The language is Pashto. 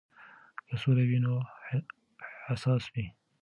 که سوله وي نو حساس وي.